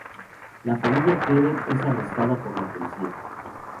La familia Keller es arrestada por la policía.